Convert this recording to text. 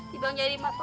dibang jadi maksimal